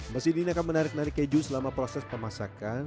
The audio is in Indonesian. mesin ini akan menarik narik keju selama proses pemasakan